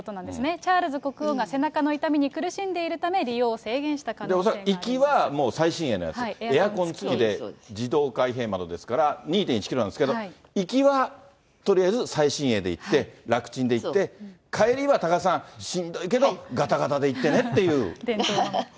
チャールズ国王が背中の痛みに苦しんでいるため、利用を制限した恐らく行きはもう最新鋭のやつ、エアコン付きで自動開閉窓ですから、２．１キロなんですけども、行きはとりあえず最新鋭で行って、楽ちんで行って、帰りは多賀さん、しんどいけど、伝統を守って。